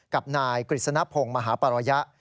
กับนายกฤษณพงศ์มหาปรยะ